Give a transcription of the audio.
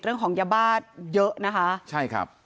เรื่องของยาบ้าเยอะนะคะใช่ครับ